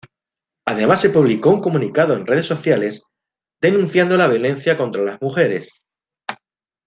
Además se publicó un comunicado en redes sociales, denunciando la violencia contra las mujeres.